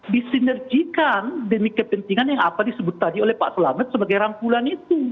disinergikan demi kepentingan yang apa disebut tadi oleh pak selamet sebagai rangkulan itu